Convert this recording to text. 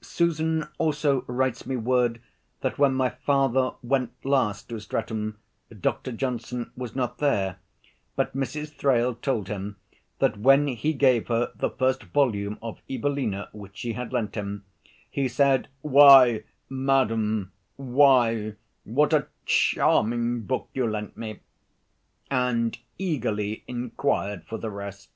Susan also writes me word that when my father went last to Streatham, Dr. Johnson was not there, but Mrs. Thrale told him that when he gave her the first volume of 'Evelina,' which she had lent him, he said, "Why, madam, why, what a charming book you lent me!" and eagerly inquired for the rest.